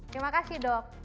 terima kasih dok